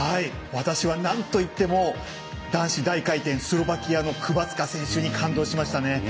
私は、なんといっても男子大回転、スロバキアのクバツカ選手に感動しました。